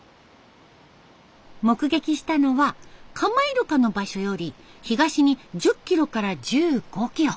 目撃したのはカマイルカの場所より東に１０キロから１５キロ。